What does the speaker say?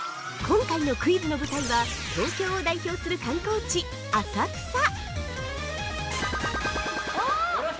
◆今回のクイズの舞台は、東京を代表する観光地・浅草！